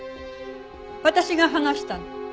私が話したの。